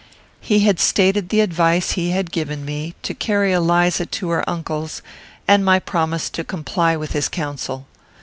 He stated the advice he had given me to carry Eliza to her uncle's, and my promise to comply with his counsel.